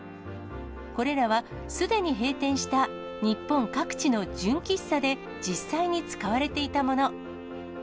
これらは、すでに閉店した日本各地の純喫茶で、実際に使われていたもの。